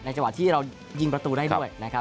ในจังหวัดที่เรายิงประตูได้ด้วย